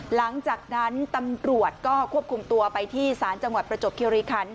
หลังจากนั้นตำรวจก็ควบคุมตัวไปที่ศาลจังหวัดประจวบคิวรีคัน